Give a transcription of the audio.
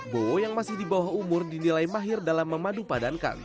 bowo yang masih di bawah umur dinilai mahir dalam memadupadankan